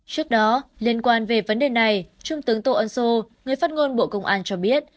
trước đó liên quan về vấn đề này trung tướng tô ân sô người phát ngôn bộ công an cho biết